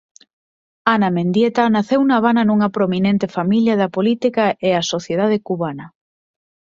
Ana Mendieta naceu na Habana nunha prominente familia da política e a sociedade cubana.